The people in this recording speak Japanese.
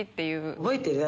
覚えてる？